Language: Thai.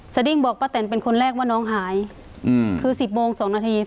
ดิ้งบอกป้าแตนเป็นคนแรกว่าน้องหายคือ๑๐โมง๒นาที